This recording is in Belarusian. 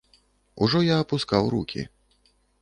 Ужо я апускаў рукі.